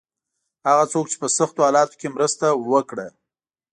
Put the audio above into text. هغه څوک چې په سختو حالاتو کې مرسته وکړه.